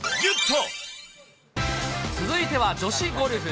続いては女子ゴルフ。